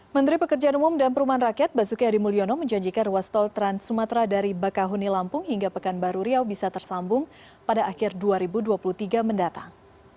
menteri pekerjaan umum dan perumahan rakyat basuki hadi mulyono menjanjikan ruas tol trans sumatera dari bakahuni lampung hingga pekanbaru riau bisa tersambung pada akhir dua ribu dua puluh tiga mendatang